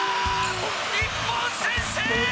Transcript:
日本先制。